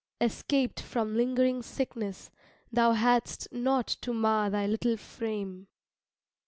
Escaped from lingering sickness, thou hadst Nought to mar thy little frame.